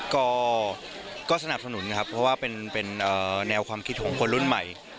ก็สนับสนุนครับเพราะว่าเป็นแนวความคิดของคนรุ่นใหม่